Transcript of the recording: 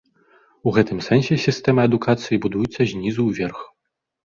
У гэтым сэнсе сістэма адукацыі будуецца знізу ўверх.